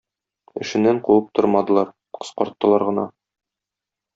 Эшеннән куып тормадылар – кыскарттылар гына.